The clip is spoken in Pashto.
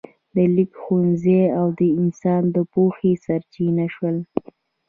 د لیک ښوونځي د انسان د پوهې سرچینه شول.